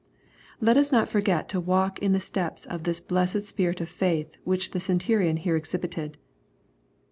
Let us not forget to walk in the steps of this blessed spirit of faith which the centurion here exhibited.